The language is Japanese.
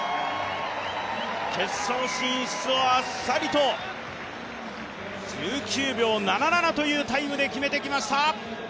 決勝進出をあっさりと１９秒７７というタイムで決めてきました。